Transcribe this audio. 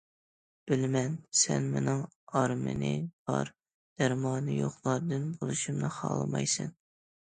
بىلىمەن، سەن مېنىڭ ئارمىنى بار، دەرمانى يوقلاردىن بولۇشۇمنى خالىمايسەن.